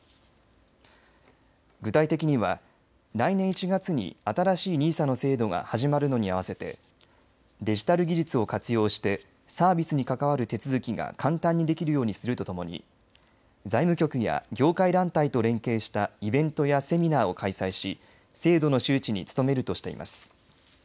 具体的には来年１月に新しいＮＩＳＡの制度が始まるのに合わせてデジタル技術を活用してサービスに関わる手続きが簡単にできるようにするとともに財務局や業界団体と連携したイベントやセミナーを開催し制度の周知に努めるとしています。